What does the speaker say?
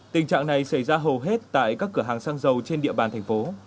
tình trạng này xảy ra hầu hết tại các cửa hàng xăng dầu trên địa bàn thành phố